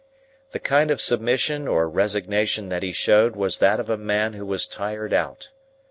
The kind of submission or resignation that he showed was that of a man who was tired out.